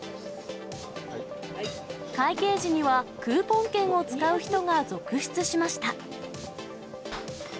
会計時には、クーポン券を使う人が続出しました。